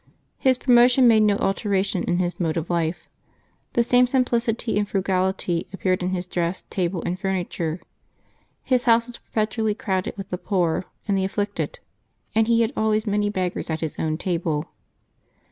His promotion made no al teration in his mode of life. The same simplicity and frugality appeared in his dress, table, and furniture. His house was perpetually crowded with the poor and the af flicted, and he had always many beggars at his own table.